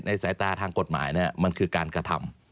สายตาทางกฎหมายมันคือการกระทำ